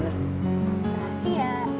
terima kasih ya